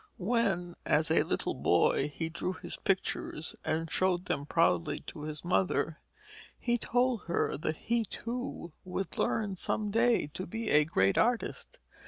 When, as a little boy, he drew his pictures and showed them proudly to his mother, he told her that he, too, would learn some day to be a great artist.